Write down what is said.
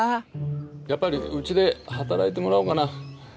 やっぱりうちで働いてもらおうかな。